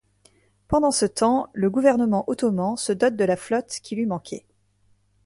Pendant ce temps, le gouvernement ottoman se dote de la flotte qui lui manquait.